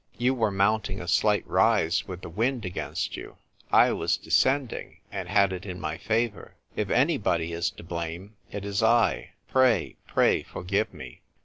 You were mounting a slight rise, with the wind against you : I was descending, and had it in my favour. If anybody is to blame, it is I. Pray, pray, forgive me."